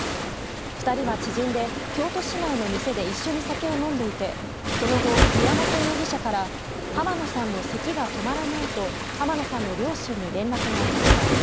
２人は知人で京都市内の店で一緒に酒を飲んでいてその後、宮本容疑者から浜野さんのせきが止まらないと浜野さんの両親に連絡がありました。